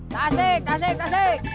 kasik kasik kasik